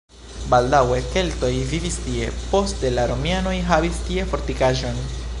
Baldaŭe keltoj vivis tie, poste la romianoj havis tie fortikaĵon.